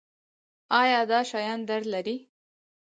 ایا دا شیان درد لري؟